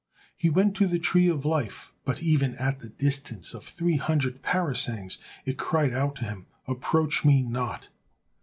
He went to the tree of life, but even at the distance of three hundred parasangs, it cried out to him: "Approach me not."